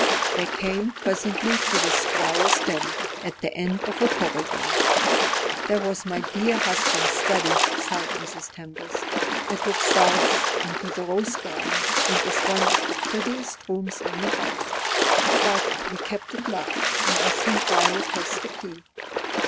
They came presently to the Squire's den, at the end of a corridor. "That was my dear husband's study," sighed Mrs. Tempest. "It looks south, into the rose garden, and is one of the prettiest rooms in the house. But we keep it locked, and I think Violet has the key."